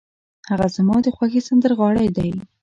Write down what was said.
هغه زما د خوښې سندرغاړی دی.